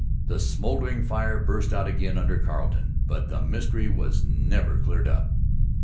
The smouldering fire burst out again under Carleton. But the mystery was never cleared up.